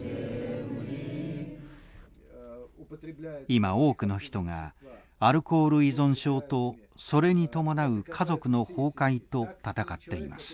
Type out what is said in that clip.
今多くの人がアルコール依存症とそれに伴う家族の崩壊と闘っています。